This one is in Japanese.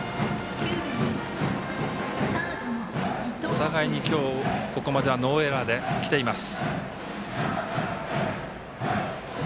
お互いに今日ここまではノーエラーできています。